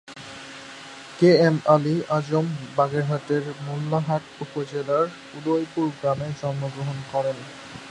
কে M Ali Azam বাগেরহাটের মোল্লাহাট উপজেলার উদয়পুর গ্রামে জন্মগ্রহণ করেন।